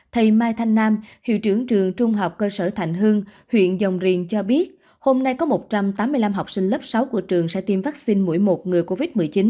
thầy mai thanh nam hiệu trưởng trường trung học cơ sở thành hương huyện dòng riền cho biết hôm nay có một trăm tám mươi năm học sinh lớp sáu của trường sẽ tiêm vaccine mỗi một ngừa covid một mươi chín